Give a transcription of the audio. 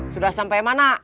sudah sampai mana